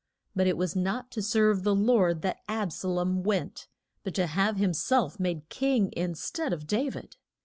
But it was not to serve the Lord that Ab sa lom went, but to have him self made king in stead of Da vid.